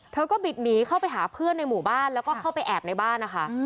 เธอก็บิดหนีเข้าไปหาเพื่อนในหมู่บ้านแล้วก็เข้าไปแอบในบ้านนะคะ